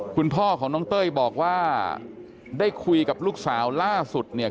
คุณพ่อของน้องเต้ยบอกว่าได้คุยกับลูกสาวล่าสุดเนี่ย